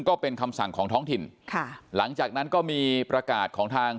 ก็เป็นคำสั่งของท้องถิ่นค่ะหลังจากนั้นก็มีประกาศของทาง